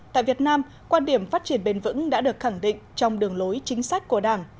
tại việt nam quan điểm phát triển bền vững đã được khẳng định trong đường lối chính sách của đảng